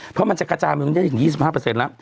เพราะมันจะกระจามอยู่ในที่๒๕แล้ว